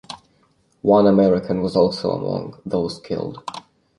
One American was also among those killed.